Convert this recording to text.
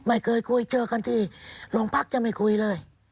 ไม่เคยคุยเจอกันที่โรงพักจะไม่คุยเลย